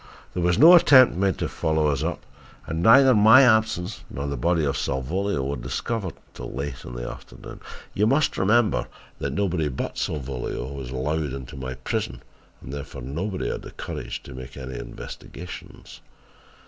There was no attempt made to follow us up and neither my absence nor the body of Salvolio were discovered until late in the afternoon. You must remember that nobody but Salvolio was allowed into my prison and therefore nobody had the courage to make any investigations.